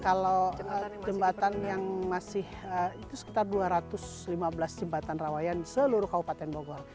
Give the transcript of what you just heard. kalau jembatan yang masih itu sekitar dua ratus lima belas jembatan rawayan di seluruh kabupaten bogor